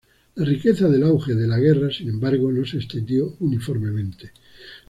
La riqueza del auge de la guerra, sin embargo, no se extendió uniformemente.